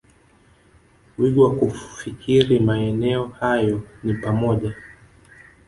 wigo wa kufikiri Maeneo hayo ni pamoja